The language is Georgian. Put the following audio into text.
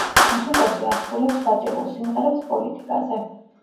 მუსიკოსი ასრულებს სატირულ სიმღერებს პოლიტიკაზე.